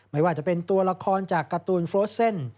ไม่ว่าจะเป็นตัวละครจากการ์ตูนโฟสเซ่น